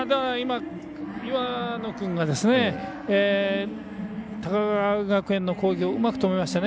岩野君が高川学園の攻撃をうまく止めましたね。